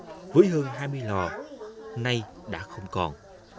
thứ nhất nguồn thu nhập với hơn hai mươi lò nay đã không còn